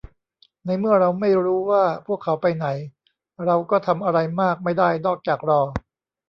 ในเมื่อเราไม่รู้ว่าพวกเขาไปไหน เราก็ทำอะไรมากไม่ได้นอกจากรอ